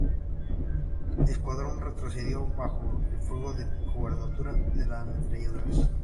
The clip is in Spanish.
Escuadrón retrocedió, bajo el fuego de cobertura de las ametralladoras.